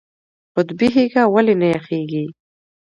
قطبي هیږه ولې نه یخیږي؟